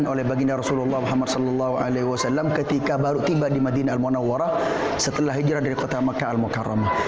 masjid kuba ini didirikan oleh baginda rasulullah muhammad saw ketika baru tiba di madinah al munawwarah setelah hijrah dari kota makkah al mukarramah